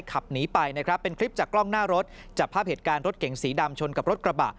ขับหนีไปนะครับเป็นคลิปจากกล้องหน้ารถจับภาพเหตุการณ์รถเก่งสีดำชนกับรถกระบะ